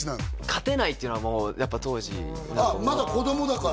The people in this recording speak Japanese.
勝てないっていうのはもうやっぱ当時まだ子供だから？